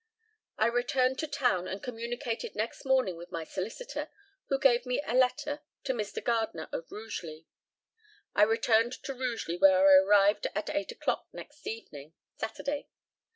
I returned to town and communicated next morning with my solicitor, who gave me a letter to Mr. Gardner of Rugeley. I returned to Rugeley, where I arrived at eight o'clock next evening (Saturday).